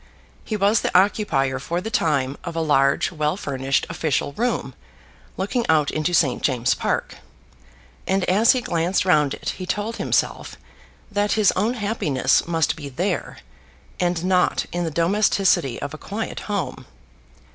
He was the occupier for the time of a large, well furnished official room, looking out into St. James's Park, and as he glanced round it he told himself that his own happiness must be there, and not in the domesticity of a quiet home.